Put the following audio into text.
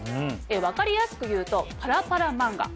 分かりやすく言うとパラパラ漫画。